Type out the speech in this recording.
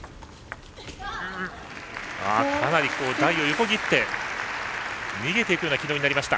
かなり台を横切って逃げていくような軌道になりました。